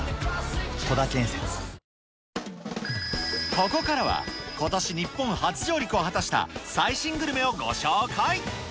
ここからは、ことし日本初上陸を果たした最新グルメをご紹介。